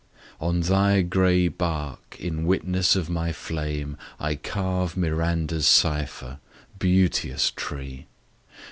ON thy grey bark, in witness of my flame, I carve Miranda's cypher Beauteous tree!